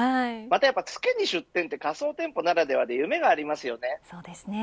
月に出店って仮想店舗ならでは夢がありますよね。